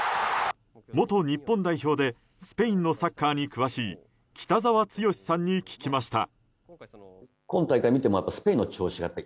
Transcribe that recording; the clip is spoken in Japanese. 元日本代表でスペインのサッカーに詳しい北澤豪さんに聞きました。